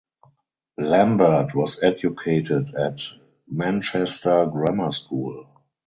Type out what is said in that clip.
Lambert was educated at Manchester Grammar School.